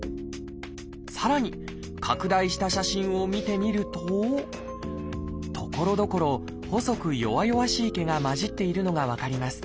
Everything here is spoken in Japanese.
さらに拡大した写真を見てみるとところどころ細く弱々しい毛が交じっているのが分かります。